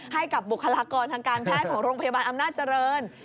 ให้กับบุคลากรทางการแพทย์ของโรงพยาบาลอำนาจเจริญ